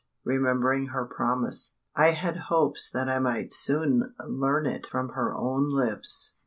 Remembering her promise, I had hopes that I might soon learn it from her own lips.